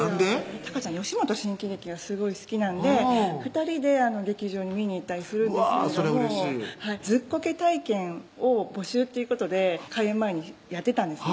たかちゃん吉本新喜劇がすごい好きなんで２人で劇場に見に行ったりするんですけれどもズッコケ体験を募集っていうことで開演前にやってたんですね